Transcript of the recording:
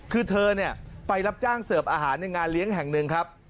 คือเธอเนี่ยไปรับจ้างเสิร์ฟอาหารในงานเลี้ยงแห่งหนึ่งครับ